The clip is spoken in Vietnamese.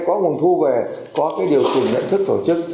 có nguồn thu về có cái điều chỉnh lệnh thức tổ chức